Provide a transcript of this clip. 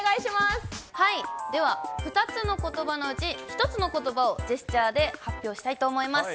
では２つのことばのうち、１つのことばをジェスチャーで発表したいと思います。